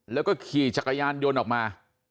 แล้วก็ขี่จักรยานยนต์ออกมา